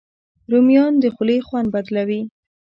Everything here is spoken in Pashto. رومیان د خولې خوند بدلوي